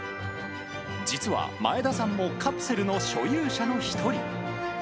実は、前田さんもカプセルの所有者の一人。